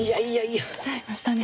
間違えちゃいましたね。